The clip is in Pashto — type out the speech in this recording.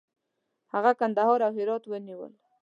هغه کندهار او هرات ونیول.